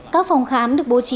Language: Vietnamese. các phòng khám được bố trí